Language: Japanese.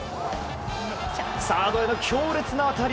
サードへの強烈な当たり。